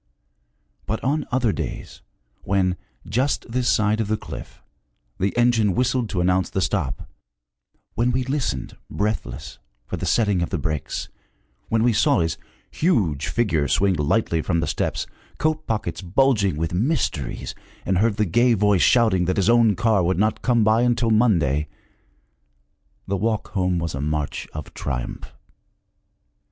But on other days, when, just this side of the cliff, the engine whistled to announce the stop, when we listened, breathless, for the setting of the brakes, when we saw his huge figure swing lightly from the steps, coat pockets bulging with mysteries, and heard the gay voice shouting that his own car would not come by until Monday, the walk home was a march of triumph.